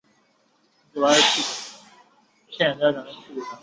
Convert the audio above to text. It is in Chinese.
宜都丁公穆崇之孙。